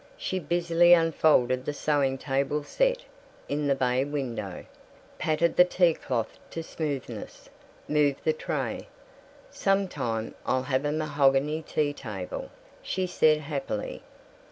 She busily unfolded the sewing table set it in the bay window, patted the tea cloth to smoothness, moved the tray. "Some time I'll have a mahogany tea table," she said happily.